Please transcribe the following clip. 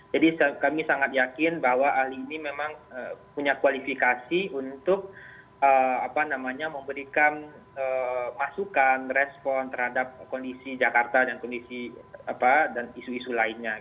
jadi kami sangat yakin bahwa ahli ini memang punya kualifikasi untuk memberikan masukan respon terhadap kondisi jakarta dan kondisi dan isu isu lainnya